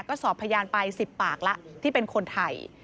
ก็สอบพยานไป๑๐ปากแล้วที่เป็นคนไทย